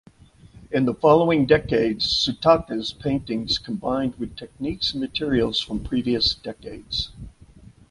In the following decades Tsutaka’s paintings combined techniques and materials from previous decades.